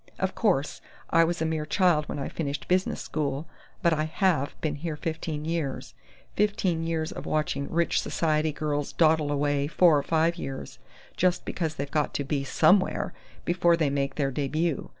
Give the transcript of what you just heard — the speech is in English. "Of course, I was a mere child when I finished business school, but I have been here fifteen years fifteen years of watching rich society girls dawdle away four or five years, just because they've got to be somewhere before they make their debut....